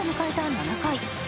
７回。